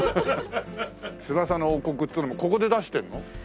『翼の王国』っつうのもここで出してるの？